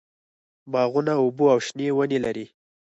باغونه اوبه او شنه ونې لري.